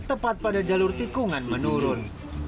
tepat pada jalur tikungan menurun